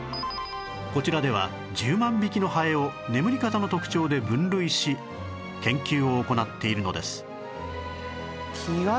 こちらでは１０万匹のハエを眠り方の特徴で分類し研究を行っているのです